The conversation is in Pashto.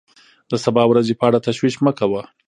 د سبا ورځې په اړه تشویش مه کوه.